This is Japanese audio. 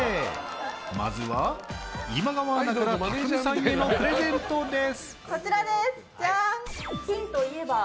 まずは今川アナからたくみさんへのプレゼントです。